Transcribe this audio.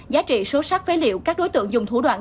giá trị số sắc phế liệu các đối tượng dùng thủ đoạn